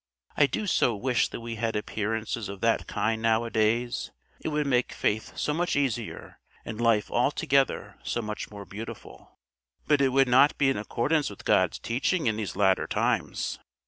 I do so wish that we had appearances of that kind nowadays: it would make faith so much easier and life altogether so much more beautiful." "But it would not be in accordance with God's teaching in these later times.